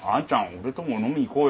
俺とも飲みに行こうよ。